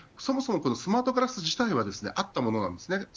そもそもスマートガラス自体はあったものです。